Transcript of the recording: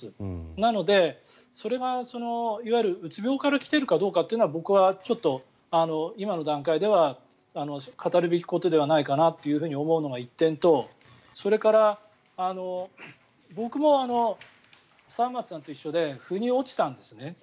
なのでそれが、いわゆるうつ病から来ているかどうかは僕はちょっと今の段階では語るべきことではないかなと思うのが１点とそれから、僕も沢松さんと一緒で腑に落ちたんですね。